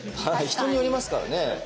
人によりますからね。